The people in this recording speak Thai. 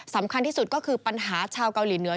สำคัญที่สุดก็คือปัญหาชาวเกาหลีเหนือ